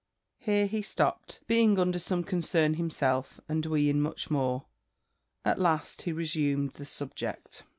'" Here he stopped, being under some concern himself, and we in much more. At last he resumed the subject.